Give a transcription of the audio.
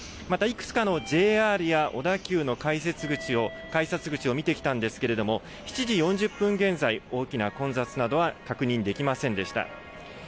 また、いくつかのＪＲや小田急の改札口を見てきたんですけれども、７時４０分現在、大きな混雑などは確認できませんでした。